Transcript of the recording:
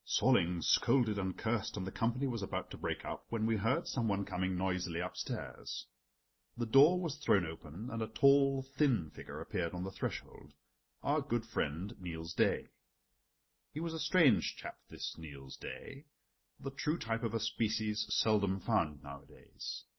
Solling scolded and cursed and the company was about to break up when we heard some one coming noisily upstairs. The door was thrown open and a tall, thin figure appeared on the threshold our good friend Niels Daae. He was a strange chap, this Niels Daae, the true type of a species seldom found nowadays.